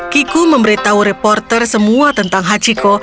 kiku memberitahu reporter semua tentang hachiko